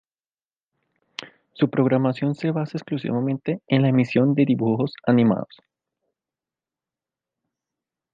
Su programación se basa exclusivamente en la emisión de dibujos animados.